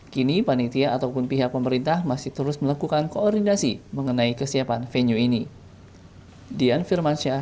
kini panitia ataupun pihak pemerintah masih terus melakukan koordinasi mengenai kesiapan venue ini